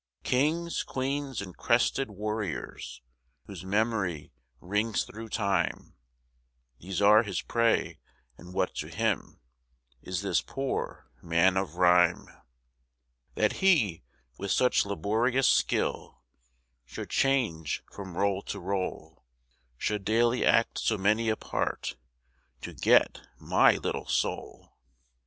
Kings, queens and crested warriors Whose memory rings through time, These are his prey, and what to him Is this poor man of rhyme, That he, with such laborious skill, Should change from role to role, Should daily act so many a part To get my little soul?